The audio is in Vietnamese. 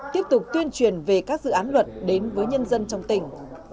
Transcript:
tiếp tục tuyên truyền về các dự án luật đến với nhân dân trong tỉnh